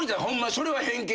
それは偏見やで。